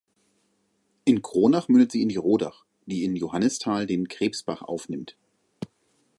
In Kronach mündet sie in die Rodach, die in Johannisthal den Krebsbach aufnimmt.